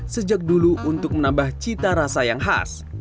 sejak dulu untuk menambah cita rasa yang khas